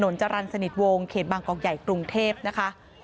จรรย์สนิทวงเขตบางกอกใหญ่กรุงเทพนะคะ